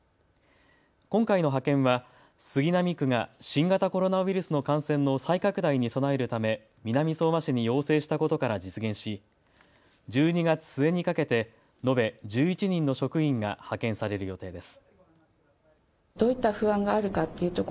今回の派遣は杉並区が新型コロナウイルスの感染の再拡大に備えるため、南相馬市に要請したことから実現し１２月末にかけて延べ１１人の職員が派遣される予定です。